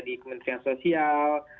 di kementerian sosial